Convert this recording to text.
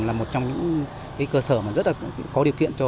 là một trong những cơ sở mà rất là có điều kiện